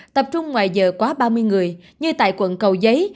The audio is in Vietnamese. tập trung ngoài giờ quá ba mươi người như tại quận cầu giấy